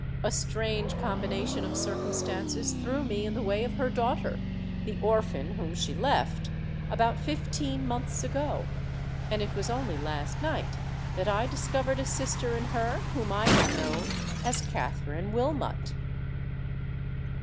"A strange combination of circumstances threw me in the way of her daughter,—the orphan whom she left—about fifteen months ago; and it was only last night that I discovered a sister in her whom I had known as Katherine Wilmot."